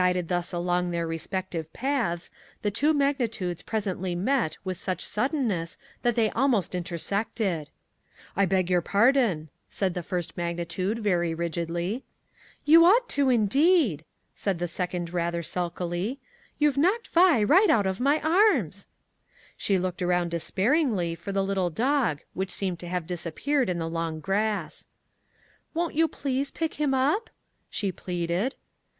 Guided thus along their respective paths, the two magnitudes presently met with such suddenness that they almost intersected. "I beg your pardon," said the first magnitude very rigidly. "You ought to indeed," said the second rather sulkily, "you've knocked Vi right out of my arms." She looked round despairingly for the little dog which seemed to have disappeared in the long grass. "Won't you please pick him up?" she pleaded.